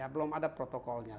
belum ada protokolnya